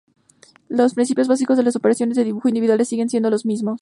Los principios básicos de las operaciones de dibujo individuales siguen siendo los mismos.